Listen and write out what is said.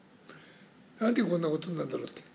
なんでこんなことになるんだろうって。